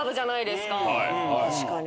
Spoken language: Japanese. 確かに。